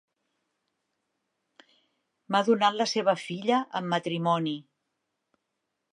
M'ha donat la seva filla en matrimoni.